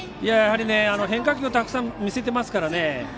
やはり、変化球をたくさん見せてますからね。